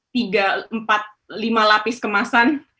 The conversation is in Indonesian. tiga empat lima lapis kemasan